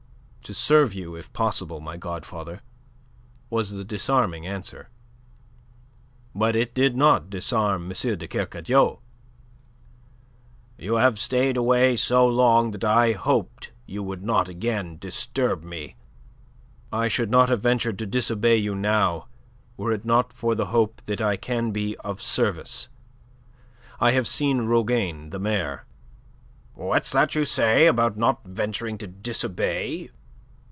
"To serve you if possible, my godfather," was the disarming answer. But it did not disarm M. de Kercadiou. "You have stayed away so long that I hoped you would not again disturb me." "I should not have ventured to disobey you now were it not for the hope that I can be of service. I have seen Rougane, the mayor..." "What's that you say about not venturing to disobey?"